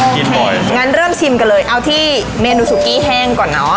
ประจำกินบ่อยงั้นเริ่มชิมกันเลยเอาที่เมนูซุกี้แห้งก่อนเนอะ